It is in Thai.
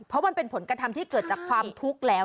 เพราะมันเป็นผลกระทำที่เกิดจากความทุกข์แล้ว